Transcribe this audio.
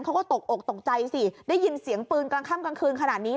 เขาก็ตกอกตกใจสิได้ยินเสียงปืนกลางค่ำกลางคืนขนาดนี้